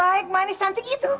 ayah yang baik manis cantik gitu